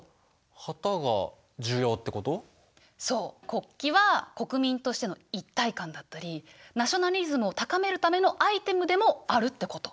国旗は国民としての一体感だったりナショナリズムを高めるためのアイテムでもあるってこと。